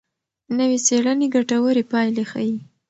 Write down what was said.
نوې څېړنه ګټورې پایلې ښيي.